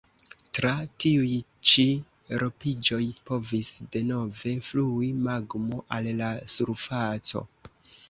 Tra tiuj ĉi ropiĝoj povis denove flui magmo al la surfaco.